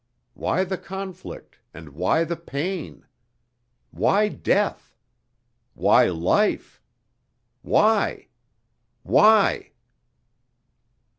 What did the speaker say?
Why the conflict and why the pain? Why death? Why life? Why? Why?...